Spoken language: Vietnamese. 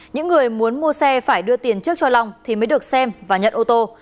những người muốn mua xe phải đưa tiền trước cho long thì mới được xem và nhận ô tô